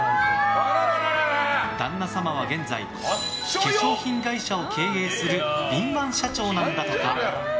旦那様は現在、化粧品会社を経営する敏腕社長なんだとか。